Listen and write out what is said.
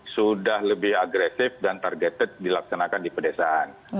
sudah lebih agresif dan targeted bila dikenakan di pedesaan